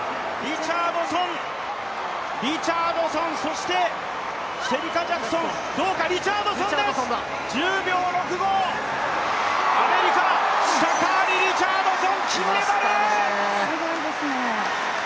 リチャードソン、そしてシェリカ・ジャクソンどうか、リチャードソンです１０秒６５、アメリカ、シャカーリ・リチャードソン１着です！